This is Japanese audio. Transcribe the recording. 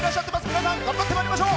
皆さん、頑張ってまいりましょう。